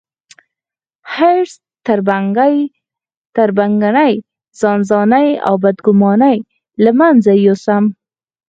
حرص، تربګني، ځانځاني او بدګوماني له منځه يوسم.